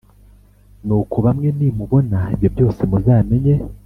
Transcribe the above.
Nuko namwe nimubona ibyo byose muzamenye